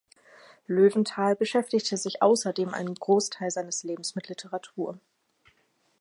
Löwenthal beschäftigte sich außerdem einen Großteil seines Lebens mit Literatur.